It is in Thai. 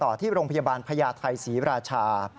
ที่โรงพยาบาลพญาไทยศรีราชา